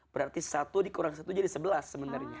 berarti satu dikurangi satu jadi sebelas sebenarnya